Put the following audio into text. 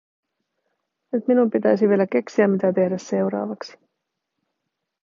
Nyt minun pitäisi vielä keksiä, mitä tehdä seuraavaksi.